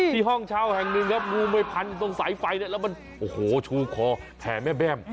ห้องเช่าแห่งหนึ่งครับงูไม่พันตรงสายไฟเนี่ยแล้วมันโอ้โหชูคอแผ่แม่แบ้ม